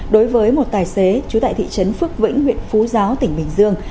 đối với một tài xế chú tại thị trấn phước vĩnh huyện phú giáo tỉnh bình dương